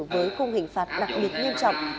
với khung hình phạt đặc biệt nghiêm trọng